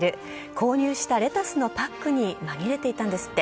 購入したレタスのパックに紛れていたんですって。